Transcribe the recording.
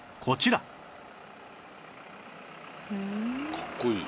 かっこいい。